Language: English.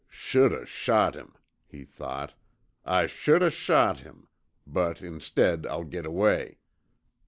"Should o' shot him," he thought, "I should o' shot him, but instead I'll git away.